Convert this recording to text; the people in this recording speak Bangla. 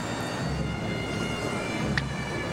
আমরা তাকে উস্কে দেবো তারপর ছোঁ মেরে ধরবো।